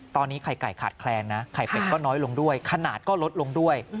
ตอนนี้ไข่ไก่ขาดแคลนนะไข่เป็ดก็น้อยลงด้วยขนาดก็ลดลงด้วย